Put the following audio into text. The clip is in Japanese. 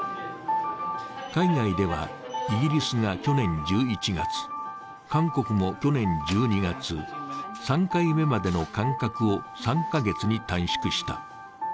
海外では、イギリスが去年１１月、韓国も去年１２月、３回目までの間隔を３カ月に短縮した。